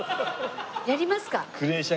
やりますか。